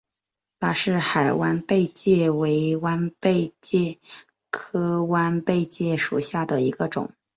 巴士海弯贝介为弯贝介科弯贝介属下的一个种。